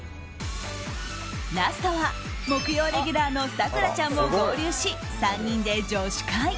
ラストは、木曜レギュラーの咲楽ちゃんも合流し３人で女子会。